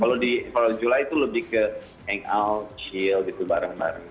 kalau di empat th of july itu lebih ke hangout chill gitu bareng bareng